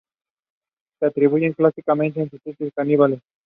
Se le atribuyen clásicamente instintos caníbales.